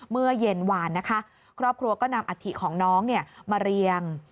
เมื่อเย็นหวานนะคะครอบครัวก็นำอัฐิของน้องมาเรียง